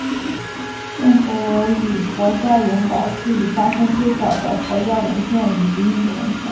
犍陀罗语佛教原稿是已发现最早的佛教文献及印度文献。